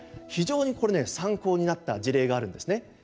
非常にこれね参考になった事例があるんですね。